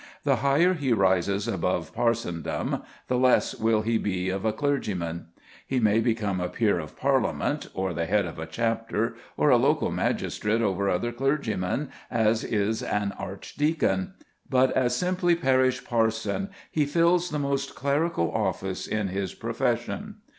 The higher he rises above parsondom, the less will he be of a clergyman. He may become a peer of Parliament, or the head of a chapter, or a local magistrate over other clergymen, as is an archdeacon; but as simply parish parson, he fills the most clerical office in his profession.